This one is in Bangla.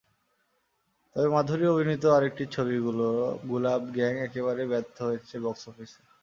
তবে মাধুরী অভিনীত আরেকটি ছবি গুলাব গ্যাং একেবারেই ব্যর্থ হয়েছে বক্স অফিসে।